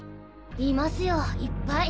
いますよいっぱい。